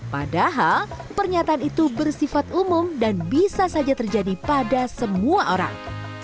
padahal pernyataan itu bersifat umum dan bisa saja terjadi pada semua orang